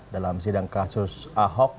dalam sidang kasus ahok